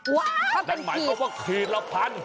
โอ๊ยเขาเป็นขีดพร้อมนะคะขีดละพัน